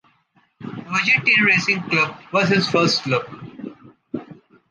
Argentine Racing Club was his first club.